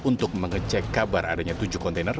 untuk mengecek kabar adanya tujuh kontainer